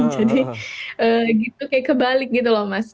jadi gitu kayak kebalik gitu loh mas